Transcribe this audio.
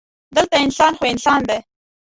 دلته انسان خو انسان دی.